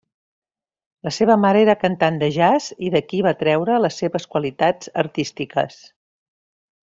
La seva mare era cantant de jazz i d'aquí va treure les seves qualitats artístiques.